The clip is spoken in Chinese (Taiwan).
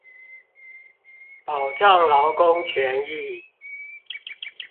保障勞工權益